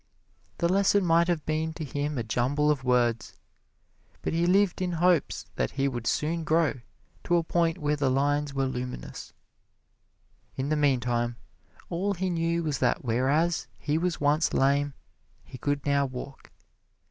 The lesson might have been to him a jumble of words, but he lived in hopes that he would soon grow to a point where the lines were luminous. In the meantime, all he knew was that whereas he was once lame he could now walk.